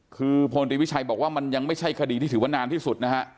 คือพลตรีวิชัยบอกว่ามันยังไม่ใช่คดีที่ถือว่านานที่สุดนะฮะ